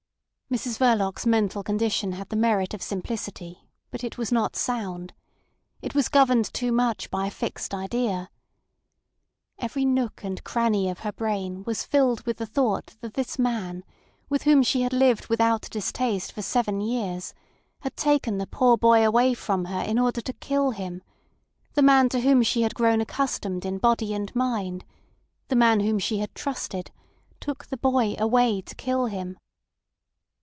Mrs Verloc's mental condition had the merit of simplicity; but it was not sound. It was governed too much by a fixed idea. Every nook and cranny of her brain was filled with the thought that this man, with whom she had lived without distaste for seven years, had taken the "poor boy" away from her in order to kill him—the man to whom she had grown accustomed in body and mind; the man whom she had trusted, took the boy away to kill him!